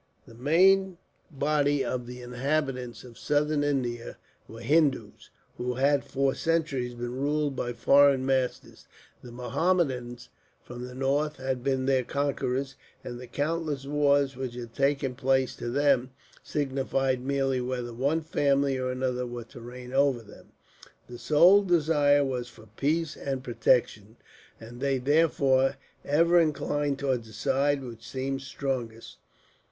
The main body of the inhabitants of Southern India were Hindoos, who had for centuries been ruled by foreign masters. The Mohammedans from the north had been their conquerors, and the countless wars which had taken place, to them signified merely whether one family or another were to reign over them. The sole desire was for peace and protection; and they, therefore, ever inclined towards the side which seemed strongest.